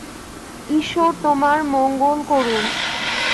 ঈশ্বর তোমার মঙ্গল করুন।